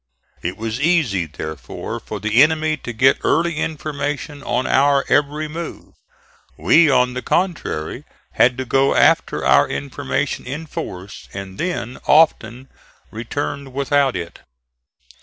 It was easy, therefore, for the enemy to get early information of our every move. We, on the contrary, had to go after our information in force, and then often returned without it.